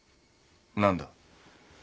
何だ？